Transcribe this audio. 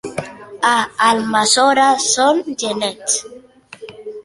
A Almassora són genets.